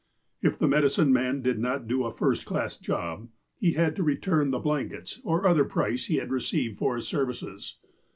If the medicine man did not do a first class job, he had to return the blankets, or other price he had received for his services.